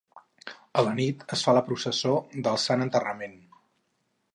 A la nit, es fa la professó del Sant Enterrament.